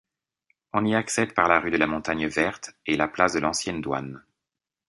On y accède par la rue de la Montagne-Verte et la place de l'Ancienne-Douane.